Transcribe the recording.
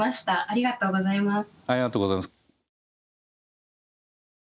ありがとうございます。